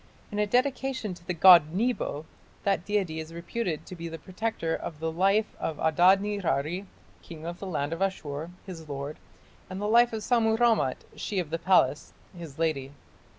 In a dedication to the god Nebo, that deity is reputed to be the protector of "the life of Adad nirari, king of the land of Ashur, his lord, and the life of Sammu rammat, she of the palace, his lady".